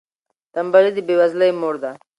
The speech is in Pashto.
تنبلي د بې وزلۍ مور ده.